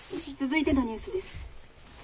「続いてのニュースです。